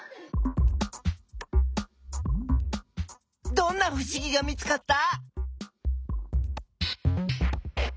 どんなふしぎが見つかった？